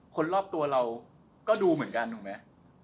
คนรอบตัวเราก็ดูเหมือนกันถูกไหม